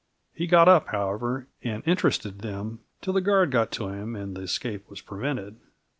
He got up, however, and interested them till the guard got to him and the escape was prevented.